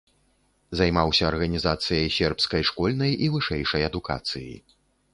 Займаўся арганізацыяй сербскай школьнай і вышэйшай адукацыі.